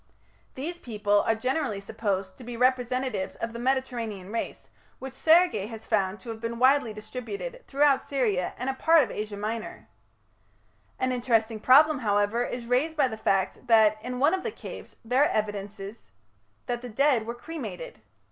These people are generally supposed to be representatives of the Mediterranean race, which Sergi has found to have been widely distributed throughout Syria and a part of Asia Minor. An interesting problem, however, is raised by the fact that, in one of the caves, there are evidences that the dead were cremated.